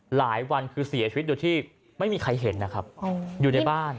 หลายวันคือเสียชีวิตโดยที่ไม่มีใครเห็นนะครับอยู่ในบ้าน